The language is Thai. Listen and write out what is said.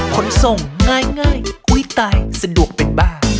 ขนส่งง่ายอุ๊ยตายสะดวกเป็นบ้า